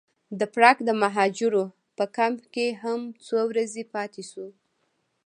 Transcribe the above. د پراګ د مهاجرو په کمپ کې هم څو ورځې پاتې شوو.